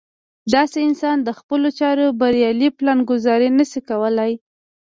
داسې انسان د خپلو چارو بريالۍ پلان ګذاري نه شي کولی.